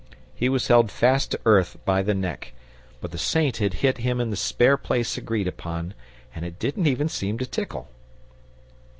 He was held fast to earth by the neck, but the Saint had hit him in the spare place agreed upon, and it didn't even seem to tickle.